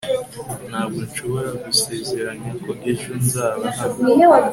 Ntabwo nshobora gusezeranya ko ejo nzaba hano